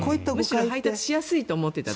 むしろ配達しやすいと思っていたんだ。